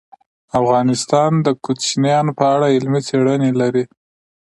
افغانستان د کوچیان په اړه علمي څېړنې لري.